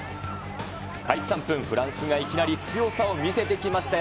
開始３分、フランスがいきなり強さを見せてきました。